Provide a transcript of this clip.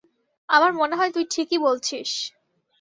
আমার মনে হয় তুই ঠিকই বলছিস।